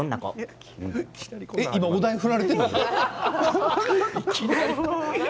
今、お題を振られているの？